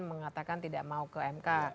mengatakan tidak mau ke mk